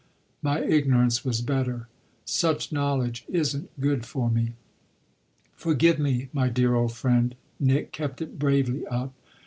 "My ignorance was better. Such knowledge isn't good for me." "Forgive me, my dear old friend," Nick kept it bravely up.